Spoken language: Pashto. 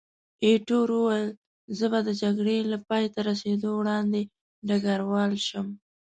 ایټور وویل، زه به د جګړې له پایته رسېدو وړاندې ډګروال شم.